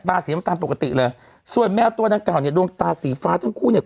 สีมันตามปกติเลยส่วนแมวตัวดังกล่าวเนี่ยดวงตาสีฟ้าทั้งคู่เนี่ย